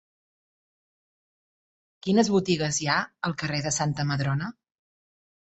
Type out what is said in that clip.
Quines botigues hi ha al carrer de Santa Madrona?